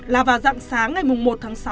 là vào dặng sáng ngày một tháng sáu